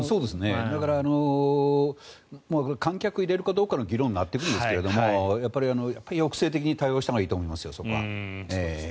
だから、観客入れるかどうかの議論になっていくんですがやっぱりそこは抑制的に対応したほうがいいと思いますよ。